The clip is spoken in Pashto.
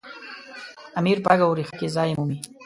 امیر په رګ او ریښه کې ځای مومي.